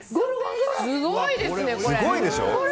すごいですね、これ！